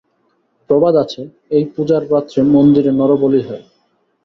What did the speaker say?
প্রবাদ আছে, এই পূজার রাত্রে মন্দিরে নরবলি হয়।